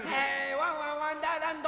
「ワンワンわんだーらんど」